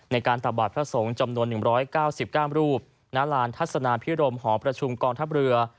ตักบาทพระสงฆ์จำนวน๑๙๙รูปณลานทัศนาพิรมหอประชุมกองทัพเรือ